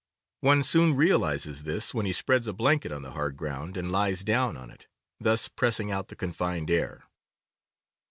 One soon realizes this when he spreads a blanket on the hard ground and lies down on it, thus pressing out the confined air.